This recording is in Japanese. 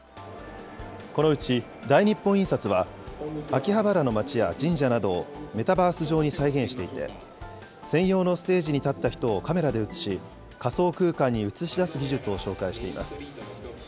このうち大日本印刷は、秋葉原の街や神社などをメタバース上に再現していて、専用のステージに立った人をカメラで写し、仮想空間に映し出す技術を紹介しています。